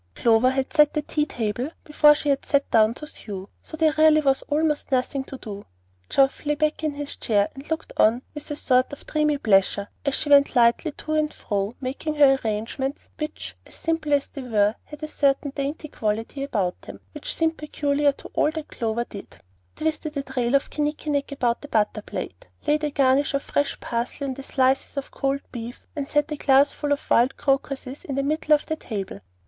Clover had set the tea table before she sat down to sew, so there really was almost nothing to do. Geoff lay back in his chair and looked on with a sort of dreamy pleasure as she went lightly to and fro, making her arrangements, which, simple as they were, had a certain dainty quality about them which seemed peculiar to all that Clover did, twisted a trail of kinnikinnick about the butter plate, laid a garnish of fresh parsley on the slices of cold beef, and set a glass full of wild crocuses in the middle of the table.